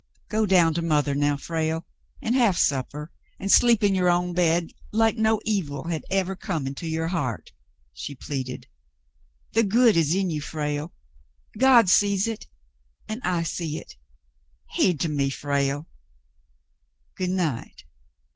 "Go down to mother now, Frale, and have supper and sleep in your own bed, like no evil had ever come into your heart," she pleaded. "The good is in you, Frale. God sees it, and I see it. Heed to me, Frale. Good night."